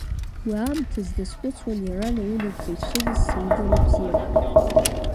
Уи аамҭазы дазхәыцуан иара наунагӡа ицәыӡыз Саида лыбзиабара.